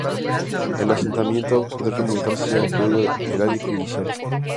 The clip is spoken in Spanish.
El asentamiento podría remontarse al período heládico inicial.